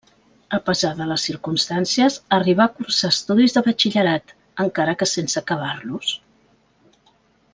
A pesar de les circumstàncies, arribà a cursar estudis de batxillerat, encara que sense acabar-los.